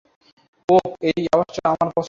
ওহ, এই আওয়াজটা আমার পছন্দ।